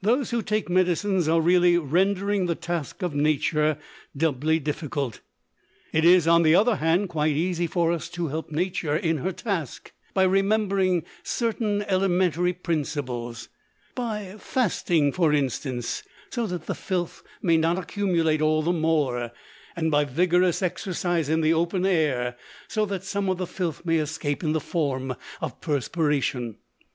Those who take medicines are really rendering the task of Nature doubly difficult. It is, on the other hand, quite easy for us to help Nature in her task by remembering certain elementary principles, by fasting, for instance, so that the filth may not accumulate all the more, and by vigorous exercise in the open air, so that some of the filth may escape in the form of perspiration.